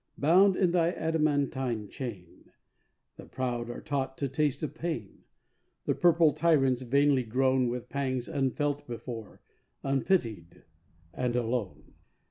Bound in thy adamantine chain The proud are taught to taste of pain, And purple tyrants vainly groan With pangs unfelt before, unpitied and alone.